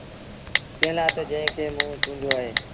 ڪݩهݩ لآ تا جنٚهنٚ کي موٚنٚ چونڊيو اهي